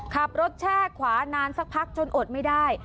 แช่ขวานานสักพักจนอดไม่ได้